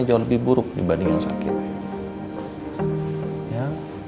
jauh lebih buruk dibandingkan sakitnya